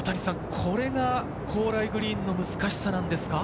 これが高麗グリーンの難しさなんですか？